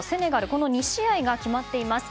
この２試合が決まっています。